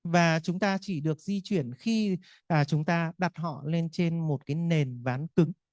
và chúng ta chỉ được di chuyển khi chúng ta đặt họ lên trên một cái nền bán cứng